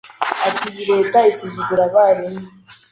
Ati iyi Leta isuzugura Abarimu